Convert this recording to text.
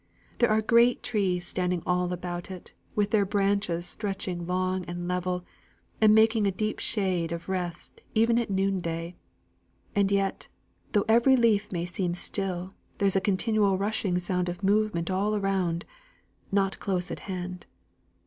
There are great trees standing all about it, with their branches stretching long and level, and making a deep shade of rest even at noonday. And yet, though every leaf may seem still, there is a continual rushing sound of movement all around not close at hand.